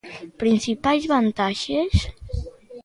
¿Principais vantaxes?